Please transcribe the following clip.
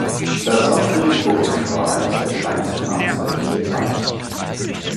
Das Amtsgericht Burgk war eines der kleinsten Amtsgerichte im Reich.